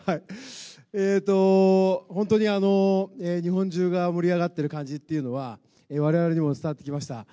えーと、本当に日本中が盛り上がってる感じっていうのは、われわれにも伝わってきました。